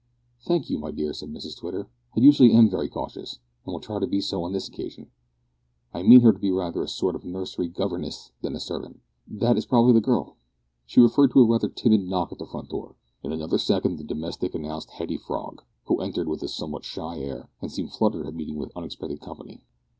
"Thank you, my dear," said Mrs Twitter, "I usually am very cautious, and will try to be so on this occasion. I mean her to be rather a sort of nursery governess than a servant. That is probably the girl." She referred to a rather timid knock at the front door. In another second the domestic announced Hetty Frog, who entered with a somewhat shy air, and seemed fluttered at meeting with unexpected company.